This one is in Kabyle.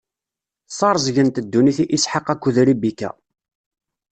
Ssareẓgent ddunit i Isḥaq akked Ribika.